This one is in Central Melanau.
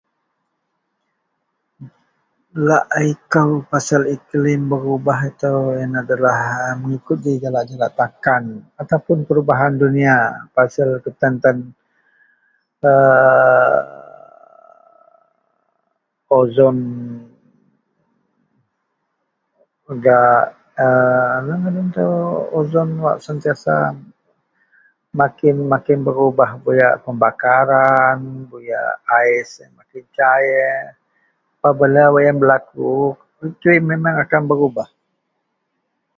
Laei kou pasel iklim berubah itou yenlah adalah mengikut ji jalak-jalak takan ataupun perubahan duniya pasel ketan-tan aaa ozon gak aaa inou ngadan itou ozon wak sentiasa makin, makin berubah buyak pembakaran, buyak ais mecair. Apabila wak yen belaku, iklim akan berubah.